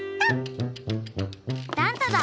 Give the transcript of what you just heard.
ダン太だ。